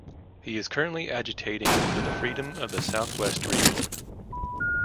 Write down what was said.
He is currently agitating for the freedom of the south west region.